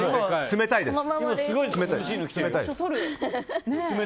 冷たいです。